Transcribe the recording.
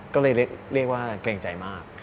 ก็เลยเรียกว่าเกรงใจมาก